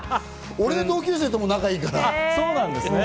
俺の同級生とも仲いいから。